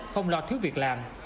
không lo thiếu việc làm